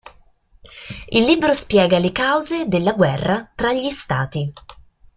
Il libro spiega le cause della guerra tra gli Stati.